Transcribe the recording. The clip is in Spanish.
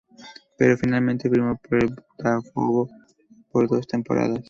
Pero finalmente firmó por el Botafogo por dos temporadas.